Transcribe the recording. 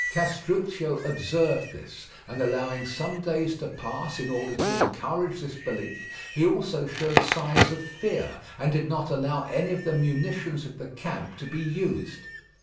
Castruccio observed this, and allowed some days to pass in order to encourage this belief; he also showed signs of fear, and did not allow any of the munitions of the camp to be used.